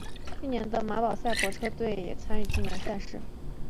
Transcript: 去年的宝马萨伯车队也更名为萨伯车队参与今年的赛事。